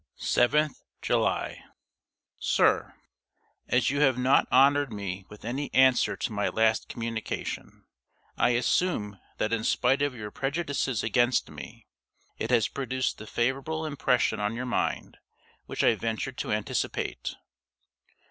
7th July. SIR As you have not honored me with any answer to my last communication, I assume that, in spite of your prejudices against me, it has produced the favorable impression on your mind which I ventured to anticipate.